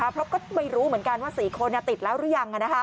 เพราะก็ไม่รู้เหมือนกันว่า๔คนติดแล้วหรือยัง